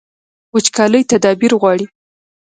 وچکالي تدبیر غواړي